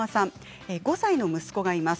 ５歳の息子がいます。